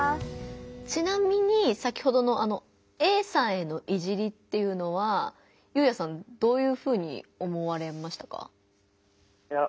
ちなみに先ほどのＡさんへの「いじり」っていうのはゆうやさんどういうふうに思われましたか？